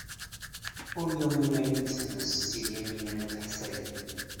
Ur yumin ayen ay d-tenna Setti Lyamina n At Ḥsayen.